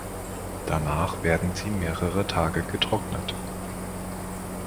Danach werden sie mehrere Tage getrocknet.